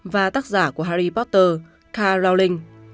và tác giả của harry potter carl rowling